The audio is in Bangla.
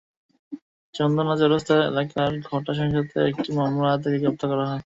চান্দনা চৌরাস্তা এলাকায় ঘটা সহিংসতার একটি মামলায় তাঁকে গ্রেপ্তার করা হয়।